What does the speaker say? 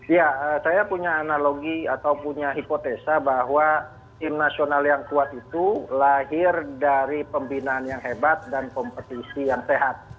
ya saya punya analogi atau punya hipotesa bahwa tim nasional yang kuat itu lahir dari pembinaan yang hebat dan kompetisi yang sehat